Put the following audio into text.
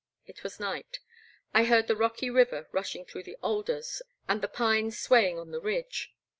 It was night. I heard the rocky river rushing through the alders and the pines swaying on the ridge.